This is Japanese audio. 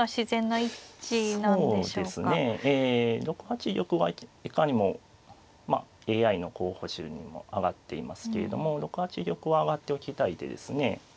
６八玉はいかにもまあＡＩの候補手にも挙がっていますけれども６八玉は上がっておきたい手ですね。